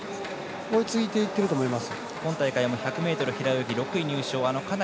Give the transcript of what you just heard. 追いついていると思います。